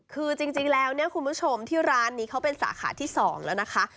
คือจริงแล้วเนี่ยคุณผู้ชมที่ร้านนี้เขาเป็นสาขาที่๒แล้วนะคะ